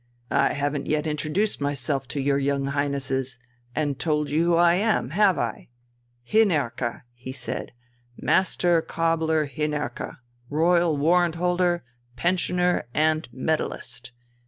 "I haven't yet introduced myself to your young Highnesses and told you who I am, have I? Hinnerke!" he said, "Master cobbler Hinnerke, Royal warrant holder, pensioner and medallist."